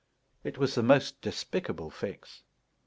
It was the most despicable fix.